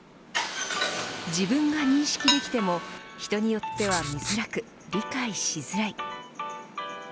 自分が認識できても人によっては見づらく理解しづらい。